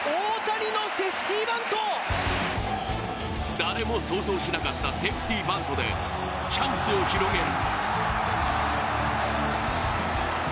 誰も想像しなかったセーフティバントでチャンスを広げる。